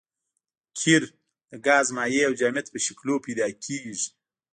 قیر د ګاز مایع او جامد په شکلونو پیدا کیږي